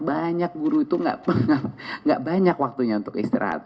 banyak guru itu gak banyak waktunya untuk istirahat